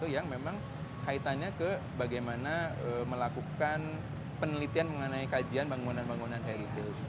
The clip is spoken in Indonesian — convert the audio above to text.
yang memang kaitannya ke bagaimana melakukan penelitian mengenai kajian bangunan bangunan heritage